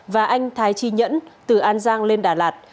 và anh thái chi nhẫn từ an giang lên đà lạt